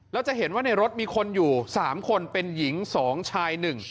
แล้วจะเห็นว่าในรถมีคนอยู่๓คนเป็นหญิง๒ชาย๑